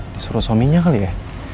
disuruh suaminya kali ya